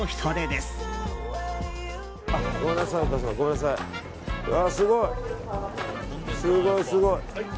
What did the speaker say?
すごい、すごい。